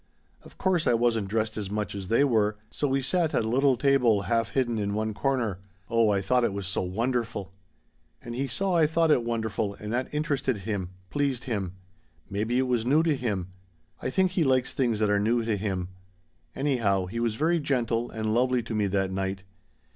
Of course I wasn't dressed as much as they were, so we sat at a little table half hidden in one corner Oh I thought it was so wonderful! "And he saw I thought it wonderful and that interested him, pleased him. Maybe it was new to him. I think he likes things that are new to him. Anyhow, he was very gentle and lovely to me that night.